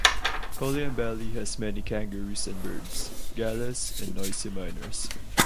Coleambally has many kangaroos and birds, Galahs and Noisy Minors.